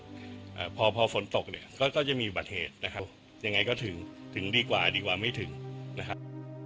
อ่าพอพอฝนตกเนี้ยก็ก็จะมีอุบัติเหตุนะครับยังไงก็ถึงถึงดีกว่าดีกว่าไม่ถึงนะครับ